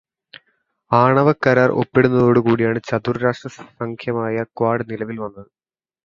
ആണവകരാർ ഒപ്പിടുന്നതോടുകൂടിയാണ് ചതുർരാഷ്ട്രസഖ്യമായ quad നിലവിൽ വന്നത്.